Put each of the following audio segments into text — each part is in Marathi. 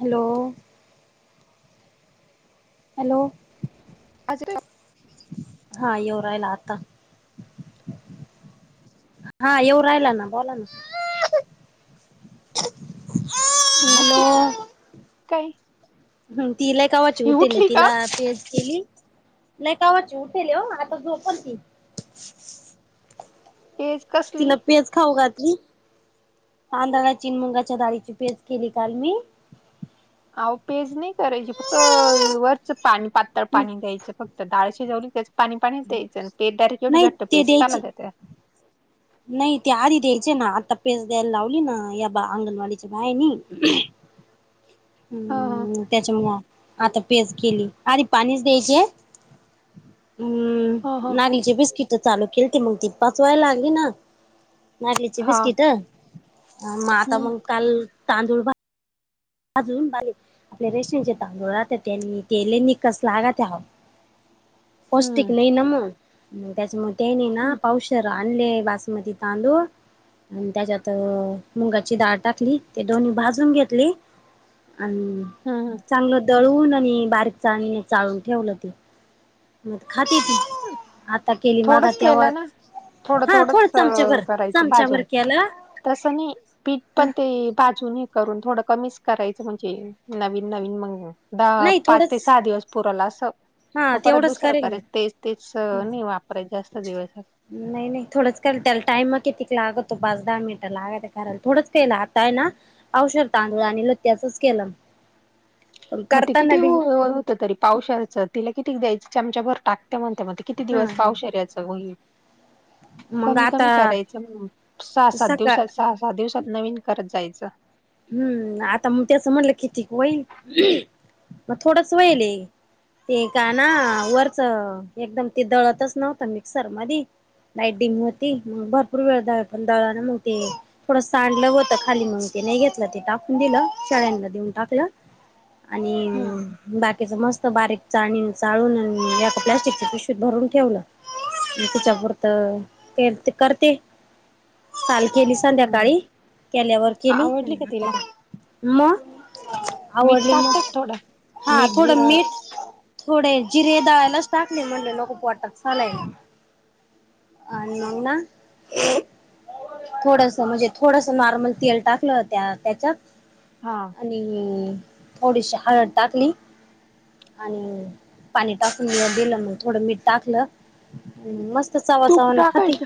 हॅलो हॅलो अ हा येव राहिला आता हा येऊ राहिला ना बोला ना मऊ काय हम तिलाय कावाची ही उठेल उठली का तिला पेज केली नाही कावाची उठेल हो आता झोपल ती तेज कसली तिला पेज खाऊ घातली कांदळा चिन मुंगाच्या डाळीची पेस्ज केली काल मी अहो पेज नाही करायची फक्त वरच पाणी पातळ पाणी द्यायचं फक्त तर डाळ शिजवली त्याच पाणी्यायच पेट डारेक्ट एवढी नाही घट्ट ते पेस्ट कायला द्यायचे त्याेत नाही ते आधी द्यायचे ना आता पेस द्यायला लावली ना या बा अंगणवाडीच्या बायनी हा हा हम् त्याच्यामु आता पेज केली आधी पाणीच द्यायचे हा हा हम्म नाचे बिस्किट चालू केल ते मग ती पाचवायला लागली ना नाटलीची हा बिस्किट म आता हम्म मग काल तांदूळ भा अजून बाले आपल्या रेस्टॉरेंट चे तांदूळ राहतात त्यांनी तेले निकसलागा त्या ह पौष्टिक हम्म नाही ना मग म त्याच्यामुळे ते नाही ना हम्म पावशरा आणले वासुमती तांदू आणि त्याच्यात मुंगाची डाळ टाकली ते दोन्ही भाजून घेतले आणि हम ह चांगलं दळून आणि बारीक चा चाळून ठेवलं ते म खाती ती हम्म. आता केली मागा थोडंच तेव्हा केलं ना थोडं हा थोड थोडंच अ, चमच्यावरर करायचं चमचावरर भाजून के आला तसं नाही, पीठ पण ते बाजूनी हे करून थोडं कमीच करायचं, म्हणजे नवीन नवीन महिना, दहा, नाही पाच थोडंच ते सहा दिवस पुरल असं. हा मग परत तेवढंच दुसरं करेल मी करायचं. तेच तेच हा नाही वापरायचं जास्त दिवस. नाही नाही, थोडंच केलं त्याला टाइम कितीक लागतो, पाच दहा मिनिटं लागते करायला, थोडंच केलं आता हाय ना पावशेर तांदूळ आणलं त्याचंच केलं. पण मग ते करताना किती बी होत तरी पावशेरचं तिला किती द्यायचं, चमच्या भर टाकते म्हणते मग ती. किती हा दिवस हा पावशेऱ्याचं होईल मग कमी आता कमी करायचं ना मग, सहा सात सकाळ दिवसात, सहा सात दिवसात नवीन करत जायचं. हम्म, आता मग तेच म्हणलं कितीक होईल, मग थोडच होईल. ते का ना, वरचं एकदम ते दळतच नव्हतं मिक्सर मध्ये. लाईट डीम होती, मग भरपूर वेळ दळ दळलं ना मग ते थोडं सांडलं होतं खाली मग, ते नाही घेत ल ते टाकून दिलं, शेळ्यांना देऊन टाकलं, आणि हम्म बाकीचं मस्त बारीक चाळणीनी चाळून, एका प्लास्टिकच्या पिशवीत भरून ठेवलं. तिच्या पुरतं ते करते. काल केली हम्म संध्याकाळी, केल्यावर केली. आवडली का तिला आ मीठ आवडली मग, टाकतात थोडं हा थोडं मीठ थोडे जिरे दळायलाच टाकले, म्हणले नको पोटात सलाईन आहे. आणि मग ना थोडसं म्हणजे, थोडसं नॉर्मल तेल टाकलं ना त्याच्यात हा आणि थोडीशी हळद टाकली. आणि पाणी टाकून दिलं, मग थोडं मीठ टाकलं. मस्त चवा तूप चावानं खाती, टाकायचं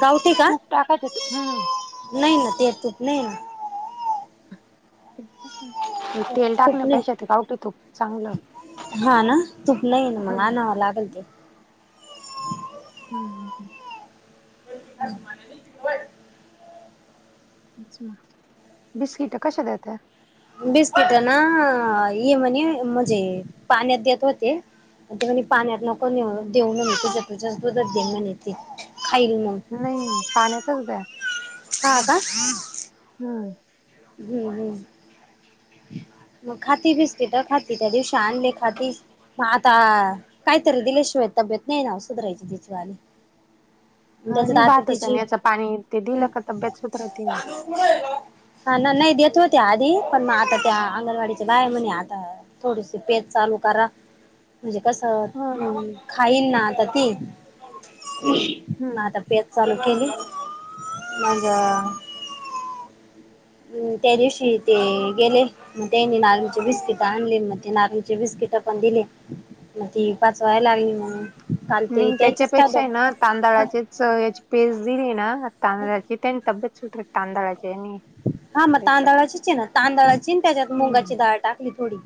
कावती का? तूप टाकायचं तू- हम्म नाही ना, ते तूप नाही ना. ते तेल तूप नाही टाकण्यापेक्षा, ते गावटी तूप चांगलं. हा ना, तूप नाही ना, मग हम्म आणावं लागेल ते. हम हम [unintelligible] बिस्किटं कशे देते? बिस्कीटं ना, इ म्हणे म्हणजे पाण्यात देत होते. ते म्हणे पाण्यात नको नेऊ देऊ म्हणे तुझ्याच दुधात दे म्हणे खाईल मग. नाही. पाण्यातच द्या. हा का? हम् हम्म हम्. मग खाती बिस्किटं खाती, त्या दिवशी आणले खाती म आता, काहीतरी दिल्याशिवाय तब्येत नाही ना सुधरायची तिचीवाली जसं आणि दातं भातच तिची आणि याचं पाणी ते दिलं का तब्येत सुधरते ना. हा ना, नाही देत होते आधी पण म आता त्या, अंगणवाडीचे बाया म्हणे, आता थोडीशी पेज चालू करा. म्हणजे कसं, हा. खाईल ना आता ती, ना हम्म. आता पेज चालू केली. मग हम् त्या दिवशी ते गेले. मग त्यानी नारलचे बिस्किट आणले, मग ते नारलचे बिस्किट पण दिले. मग ती पचवाय लागली म्हणून, काल ते त्यांच्याच काय हा, तांदळाची याची पेस्ट दिली ना, की त्यानी तब्येत सुटती तांदळाच्या ह्यानी. हा मग तांदळाची आहे ना, तांदळाची अन त्याच्यात हम्म. मुगाची डाळ टाकली थोडी.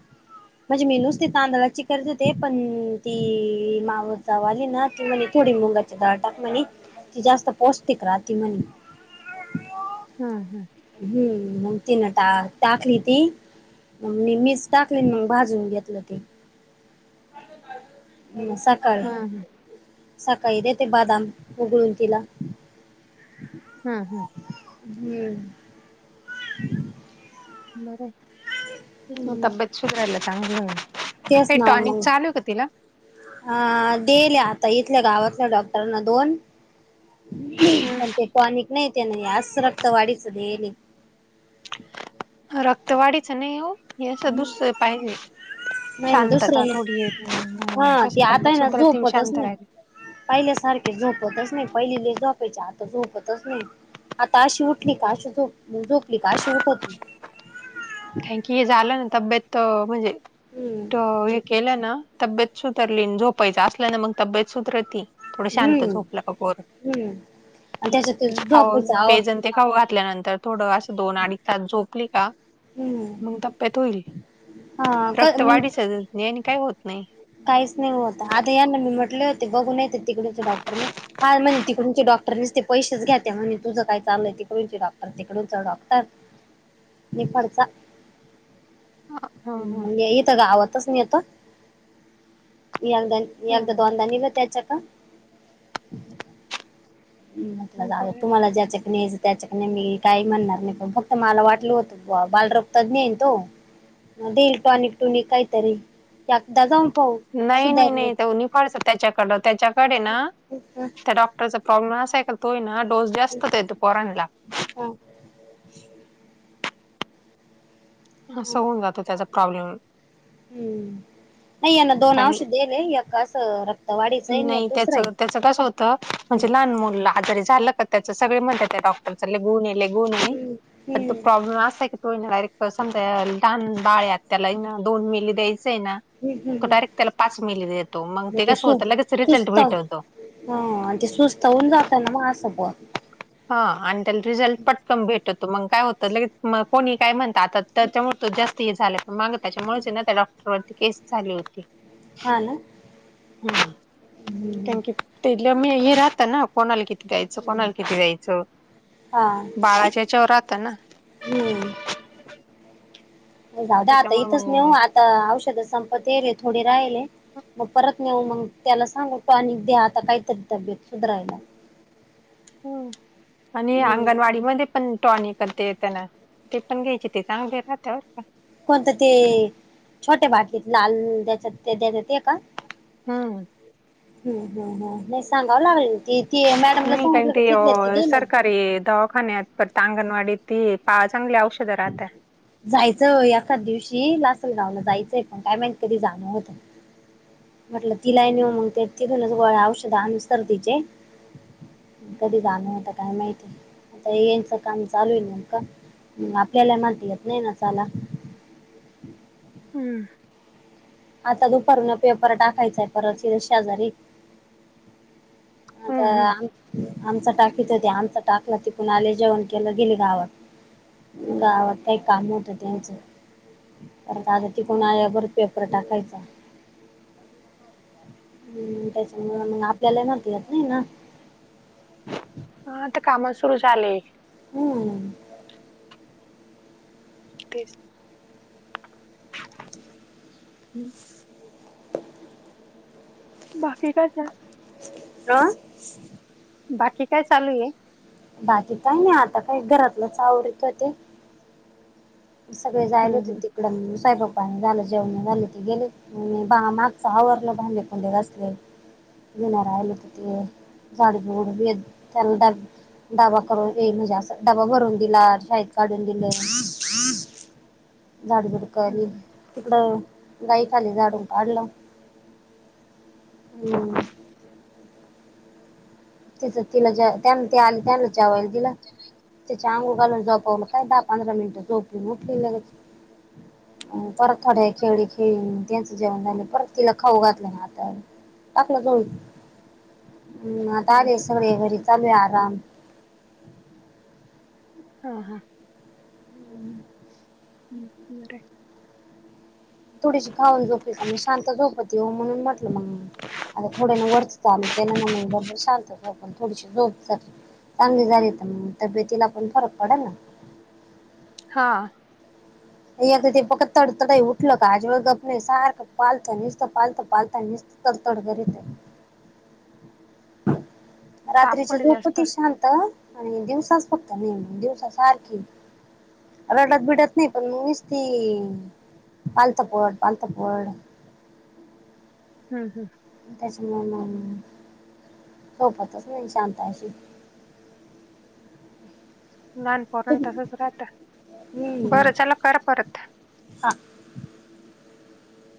म्हणजे मी नुसती तांदळाची गरज होते पण ती माव जाऊ आली ना की म्हणे थोडी मुंगट दटाक म्हणे त जास्त पौष्टिक राहते म्हणे. हम हम. हम्म तीनटा टाकली ती मग मी मीच टाकली मग भाजून घेतलं ती सकाल हम्म हम्म. सकाळी देते बादाम उघळून तिला हम हम. हम्म. बर तब्च शयला चांग क सना मग- अ देल्या आता इथल्या गावातल्या डॉक्टरांना दोन हम्म. पण ते पॉनिक नाही त्यां अस रक्त वाढीचं दे. रक्त वाढीच नाही हो हे असं दुसर पाहिजे. नाही ना शांतता दुसरं नाही थोडी हा कशी ती आता आहे तब्येत ना सुतर त झोपतच शांत नाही राहिली. पहिल्यासारखे झोपवतच नाही पहिलीले झोपायचे आता झोपतच नाही. आता अशी उठली का अशी झोप झोपली का अशी उठ होती. कारण की हे झालं ना तब्येत म्हणजे हम्म त हे केलं ना. तब्येत सुतरली जो पहिजे असल्या ना मग तब्येत सुतरती थोड शांत हम्म झोपलं कपोर हम्म आणि त्याच्यात ते खा झोपेचा आवा पेजन ते खाऊ हम्म घातल्यानंतर थोडं असं दोन अडीच तास झोपली का? मग तप्प्यात होईल हा क रक्त वाढीचत नाही आणि काही होत नाही. काहीच नाही होतं आता या ना मी म्हटले होते बघून नाहीेत तिकडेच डॉक्टरने हा म्हणे तिकडूनचे डॉक्टरसते पैसेच घ्याे म्हणे तुझं काय चालय तिकडून डॉक्टर तिकडूनच डॉक्टर निफडचा अ हा हा ह् इथ गावातच नाही येतदा मी अगदा हं दोनदा निेलं त्याच्या का? म्हटलं जालं बरं. तुम्हाला ज्याच्या त्याच्याक मी काही म्हणणार नाही पण फक्त मला वाटलं होतं बालरक्तात नाहीेईन तो देईल टॉनिक टुनिक काहीतरी एकदा जाऊन पाऊ नाही नाही नाही त निफडत त्याच्याकड त्याच्याकडे ना त्याडॉक् रचा प्रॉब्माय का तोय ना डोस जास्त येतो पोराला हा ह स होन जातो त्याचा प्रॉब्लेम हम्म नाही आहे ना दोन काही अंश देले याका असं रत नाही त्याच त्याच कसं होतं म्हणजे लहान मुल आजारी झालं क त्या सगळे मत आहे डॉक्टरून येलेगून हम्म पण हम्म तोॉब्म असय कीो डायरेक् समजा लहान बाळत त्याला ना दोन मिली द्यायचंय ना तो हम्म डायरेक्ट त्याला पाच महिली देतो मग ते कास होत सुस्त हा ते सुस्त होऊन जात ना म असं ब हा आणि त्याला रिझल्ट पटकन भेटतो मग काय होतं लगेच कोणी काय म्हणत आता त्याच्यामुळे जास्त हे झालं पण मग त्याच्यामुळेच नाही त्या डॉक्टर वरती केस झाली होती ह ना हम हम्म कारण की ते ल मी हे राहता ना कोणाला किती दयचं कोणाल किती जायचं बाळाच्या याच्यावर राहत ना हम् जाऊ द आता त्याच्यामुळे इथंच नेऊ मग आता औषध संपत ये रे थोडे राहिले मग परत नेऊ मग त्याला सांग तो अक द आता कायतरी तब्येत सुधारयला हम् आणि हम्म अंगणवाडी मध्ये पण टॉनी करते येतना ते पण घ्यायचे ते चांगले राहत्यावर का कोणतं ते छोटे बाकीत लाल द्यायच ते द्यायचात का हम् ह ह नाही सांगावं लागल त त मॅडमला सांगलं तिथ त दि री दवाखान्यात परत अंगणवाडी ती चांगली औषधं राहत जायचं हो एखच दिवशी लासलगावला जायचंय पण काायमा कधी जाणं होतं म्हटलं तिलाही नेऊ मग ते तिथूनच ग औषध अनुसार तिचे कधी जाण होत काय माहिती आता येचं काम चालू आहे न का आपल्याला माात येत नाही ना चाला हम्म आता दुपारन पेपर टाकायचाय परत ह शेजारी हम्म आता आमच टाकीत होते आमच टाकलं त कणा आले जेवण केलं गेले गावात गावात काही काम होतं त्याचं पर दादा टिकून आल्यावरर पेपर टाकायचा हम्म त्याच्यामु मग आपल्याला नेत नाही ना हा आता काम सुरु झालेय हम्म तेच ह् बाकी काच आहे ह बाकी काय चालू आहे बाकी काही नाही आता काही घरातलंच आवरत होते सगळे जायले हम्म होते तिकडं साईबापानी झालं जेवण झाले ते गेले बा मागचा आवरलं. भांडी कांडी घासली बन रायल कती झाड बड त्यां [unintelligible] डबा करून येईल म्हजे अस डबा भरून दिला शाहीद काढून दिलं झाड बडकली हम्म तिकड गाईक आले झाड उ काडलं हम्म तिच तिला त्याना ते आले त्यांना चवाल तिला चांगू घालून जोपवलं काय दहा पंधरा मिनिटं झोपलीटली लगेच परत थोड्या वेळ खेळी त्यांचं जेवण झालं परत तिला खाऊ घातलं ना आता टाकलं जाम् आता हम्म आले सगळे घरी चालू आहे. आराम हा हा हम् बरं थोडीशी खाऊ झोपली का म्हणजे शांता झोपती हो म्हणून म्हटलं मग आता थोड्या ना वर्थ चालू के न म्ह डबर शांत पण थोडीशी झोप चांगली झाली तरग तब्येतीला पण फरक पडेल. ना हा अ ते पत तड त उठल का आज वळप सारख पालत नित पालत पालतात. तड तडकररी येत. रात्रीच तापड जास्त झोपती शांत आणि दिवसाच फक्त ने दिवसा सारखी रडत बिडत नाही. पण मीच ती पालत पड पालता पड हम् हम त्या म सोपतच नाही. शांत अशी लहानपरून तसच राहत. हम्म बरं चला कर परत हा